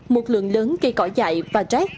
một lượng lớn cây cỏ dại và rác